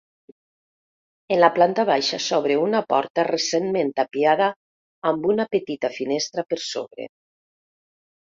En la planta baixa s'obre una porta recentment tapiada amb una petita finestra per sobre.